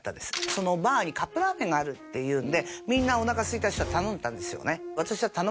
そのバーにカップラーメンがあるっていうんでみんなおなかすいた人は頼んでたんですよね。